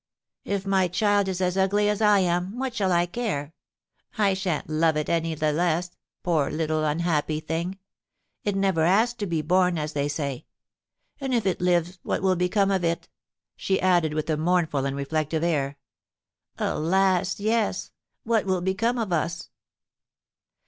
If my child is as ugly as I am, what shall I care? I sha'n't love it any the less, poor little, unhappy thing; it never asked to be born, as they say. And if it lives what will become of it?" she added, with a mournful and reflective air. "Alas, yes, what will become of us?"